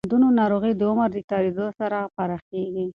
د بندونو ناروغي د عمر تېریدو سره پراخېږي.